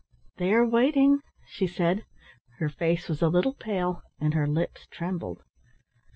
"They are waiting," she said. Her face was a little pale and her lips trembled.